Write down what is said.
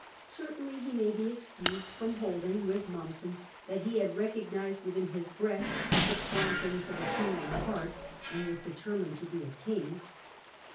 Certainly we may be excused from holding, with Momm sen, that he had recognised within his breast the prompt ings of a kingly heart, and was determined to be a king.